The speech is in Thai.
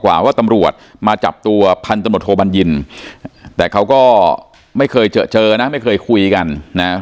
ว่าตำรวจมาจับตัวพันธมตโทบัญญินแต่เขาก็ไม่เคยเจอเจอนะไม่เคยคุยกันนะ